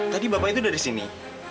tadi bapak itu sudah di sini